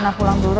kita pulang dulu